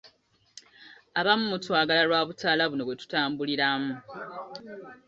Abamu mutwagala lwabutaala buno bwetutambuliramu.